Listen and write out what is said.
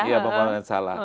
iya pemahaman yang salah